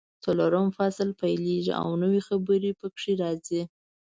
څلورلسم فصل پیلېږي او نوي خبرې پکې راځي.